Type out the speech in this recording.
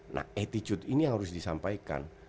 nah attitude ini harus disampaikan